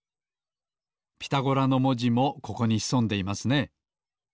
「ピタゴラ」のもじもここにひそんでいますね。